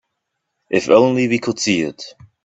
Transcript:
If only we could see it.